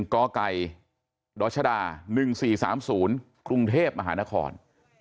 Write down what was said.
กไก่ดชด๑๔๓๐กรุงเทพมหานคร